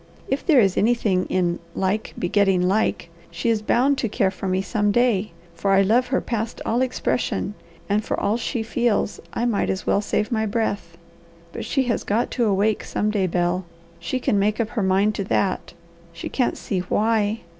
If there is anything in 'like begetting like' she is bound to care for me some day, for I love her past all expression, and for all she feels I might as well save my breath. But she has got to awake some day, Bel. She can make up her mind to that. She can't see 'why.'